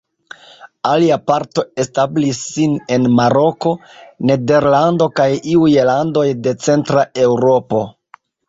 Alia parto establis sin en Maroko, Nederlando kaj iuj landoj de Centra Eŭropo.